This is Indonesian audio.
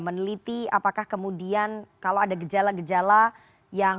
meneliti apakah kemudian kalau ada gejala gejala yang